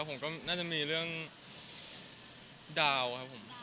ผมก็น่าจะมีเรื่องดาวครับผม